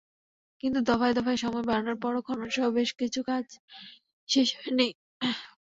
কিন্তু দফায় দফায় সময় বাড়ানোর পরও খননসহ বেশ কিছু কাজ শেষ হয়নি।